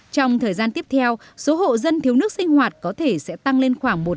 trong thời gian tiếp theo số hộ dân thiếu nước sinh hoạt có thể sẽ tăng lên khoảng một trăm năm mươi tám chín trăm linh